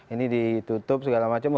ini ditutup segala macem